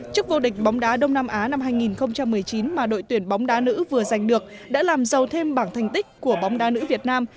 chức vô địch bóng đá đông nam á năm hai nghìn một mươi chín mà đội tuyển bóng đá nữ vừa giành được đã làm giàu thêm bảng thành tích của bóng đá nữ việt nam